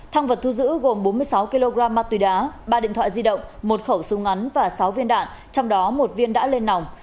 thăng vật thu giữ gồm bốn mươi sáu kg ma túy đá ba điện thoại di động một khẩu súng ngắn và sáu viên đạn trong đó một viên đã lên nòng